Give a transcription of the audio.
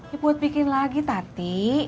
ya buat bikin lagi tati